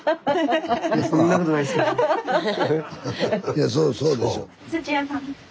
いやそうそうでしょ。